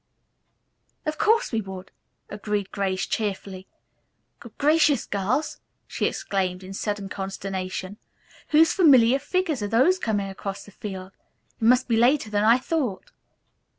"Of course we would," agreed Grace cheerfully. "Good gracious, girls!" she exclaimed in sudden consternation. "Whose familiar figures are those coming across the field? It must be later than I thought."